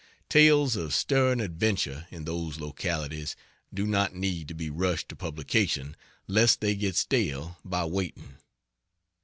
Tales of stirring adventure in those localities do not need to be rushed to publication lest they get stale by waiting.